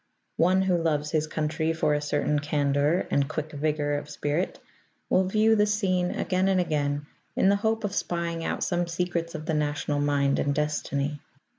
One who loves his country for a certain candour and quick vigour of spirit will view the scene again and again in the hope of spying out some secrets of the national mind and destiny.